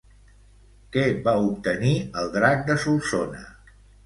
Què va obtenir el drac de Solsona?